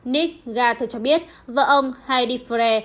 nick garth cho biết vợ ông heidi frey